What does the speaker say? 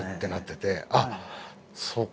あっそうか。